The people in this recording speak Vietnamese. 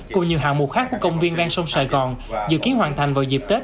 cùng nhiều hạng mù khác của công viên đen sông sài gòn dự kiến hoàn thành vào dịp tết